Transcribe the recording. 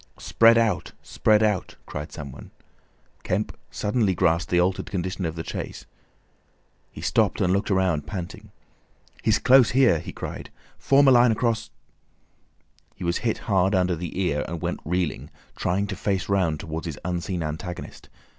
"Spread out! Spread out!" cried some one. Kemp suddenly grasped the altered condition of the chase. He stopped, and looked round, panting. "He's close here!" he cried. "Form a line across—" He was hit hard under the ear, and went reeling, trying to face round towards his unseen antagonist.